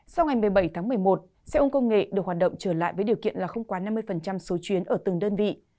sau ngày một mươi bảy tháng một mươi một xe ôn công nghệ được hoạt động trở lại với điều kiện là không quá năm mươi số chuyến ở từng đơn vị